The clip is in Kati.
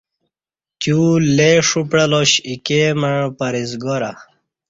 تیو لے ݜو پعلاش ایکے مع پرہیزگارہ